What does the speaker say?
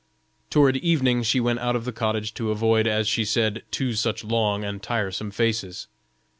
Toward evening she went out of the cottage to avoid, as she said, two such long and tiresome faces.